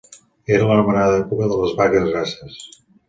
Era l'anomenada època de les vaques grasses.